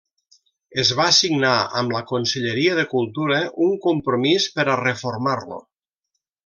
Es va signar amb la Conselleria de Cultura un compromís per a reformar-lo.